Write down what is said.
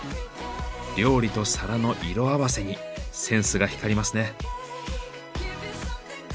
料理と皿の色合わせにセンスが光りますね。